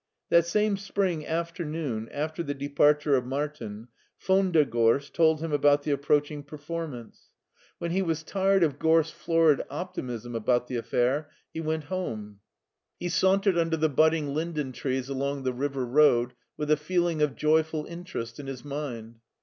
That same spring after noon, after the departure of Martin, von der Gorst tdd him about the approaching performance. When LEIPSIC 89 he was tired of Gorsf s florid optimism about the af fair, he went home. He sauntered under the budding linden trees along the river road with a feeling of joyful interest in his mind.